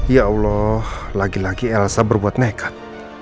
ya allah lagi lagi elsa berbuat nekat